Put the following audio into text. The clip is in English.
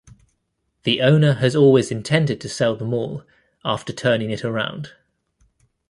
The owner has always intended to sell the mall after turning it around.